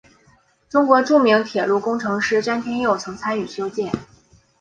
中国著名铁路工程师詹天佑曾参与修建。